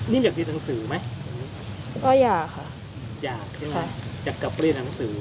นี่อยากเรียนหนังสือไหมก็อยากค่ะอยากใช่ไหมอยากกลับไปเรียนหนังสือ